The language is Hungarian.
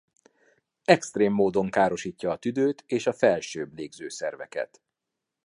Extrém módon károsítja a tüdőt és a felsőbb légzőszerveket.